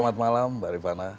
selamat malam mbak rifana